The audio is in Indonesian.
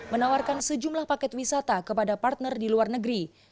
menawarkan sejumlah paket wisata kepada partner di luar negeri